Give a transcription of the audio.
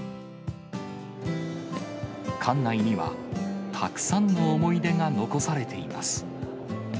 館内には、たくさんの思い出が残されています。